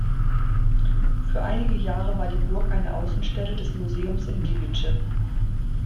Für einige Jahre war die Burg eine Außenstelle des Museums in Gliwice.